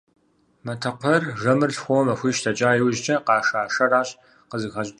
Матэкхъуейр жэмыр лъхуэуэ махуищ дэкӀа иужькӀэ къаша шэращ къызыхащӀыкӀыу щытар.